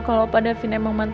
kalau pada benci gue itu menangis